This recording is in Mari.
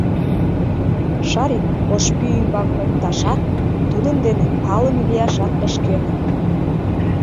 Шарик ош пий ӱмбак опташат, тудын дене палыме лияшат ыш кӧнӧ.